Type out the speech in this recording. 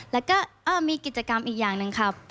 แล้วก็มีกิจกรรมอีกอย่างหนึ่งครับ